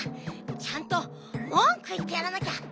ちゃんともんくいってやらなきゃ！